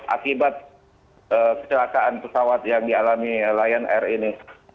akibat kecelakaan pesawat yang dialami lion air ini